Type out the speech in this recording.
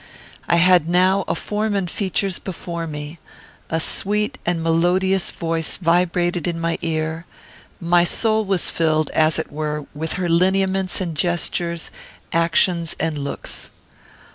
I had now a form and features before me; a sweet and melodious voice vibrated in my ear; my soul was filled, as it were, with her lineaments and gestures, actions and looks.